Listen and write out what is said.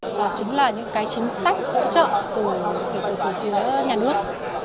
đó chính là những cái chính sách hỗ trợ từ phía nhà nước